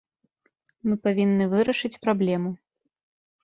Мы павінны вырашыць праблему.